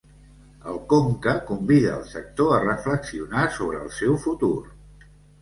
El CoNCA convida el sector a reflexionar sobre el seu futur.